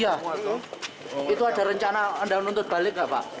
iya itu ada rencana anda menuntut balik nggak pak